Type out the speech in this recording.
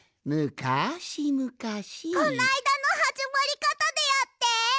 こないだのはじまりかたでやって。